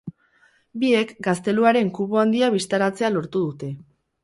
Biek, gazteluaren kubo handia bistaratzea lortu dute.